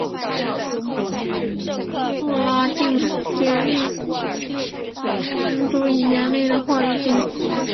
穆拉利竭尽全力地监督并以严厉的话语警示福特所面临的困境。